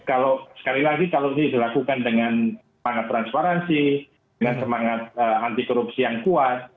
kalau sekali lagi kalau ini dilakukan dengan semangat transparansi dengan semangat anti korupsi yang kuat